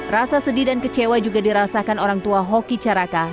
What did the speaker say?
rasa sedih dan kecewa juga dirasakan orang tua hoki caraka